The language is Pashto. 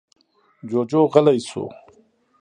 جُوجُو غلی شو.